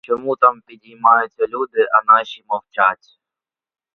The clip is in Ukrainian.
Чому там підіймаються люди, а наші мовчать?